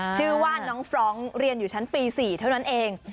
ชื่อว่าน้องฟรองก์เรียนอยู่ชั้นปี๔เท่านั้นเอง